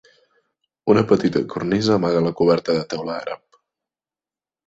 Una petita cornisa amaga la coberta de teula àrab.